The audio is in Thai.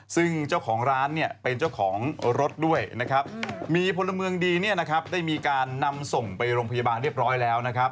ซึ่งเจ้าของร้านเป็นเจ้าของรถด้วยมีพลเมืองดีได้มีการนำส่งไปโรงพยาบาลเรียบร้อยแล้ว